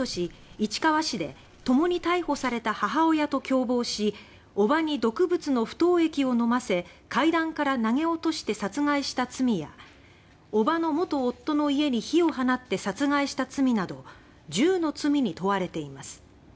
市川市で共に逮捕された母親と共謀し伯母に毒物の不凍液を飲ませ階段から投げ落として殺害した罪や伯母の元夫の家に火を放って殺害した罪など１０の罪に問われています。